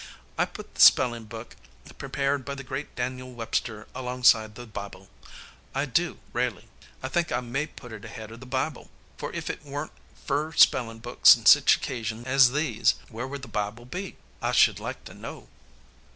I put the spellin' book prepared by the great Daniel Webster alongside the Bible. I do, raley. I think I may put it ahead of the Bible. Fer if it wurn't fer spellin' books and sich occasions as these, where would the Bible be? I should like to know.